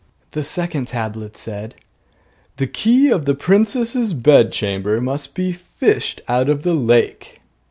The second tablet said: 'The key of the princess's bed chamber must be fished up out of the lake.